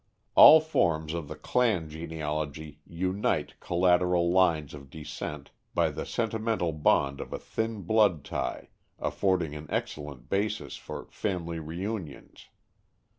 All forms of the "clan" genealogy unite collateral lines of descent by the sentimental bond of a thin blood tie, affording an excellent basis for "family reunions."